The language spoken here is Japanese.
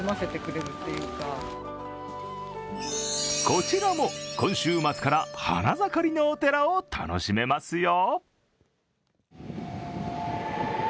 こちらも今週末から花盛りのお寺を楽しめますよ。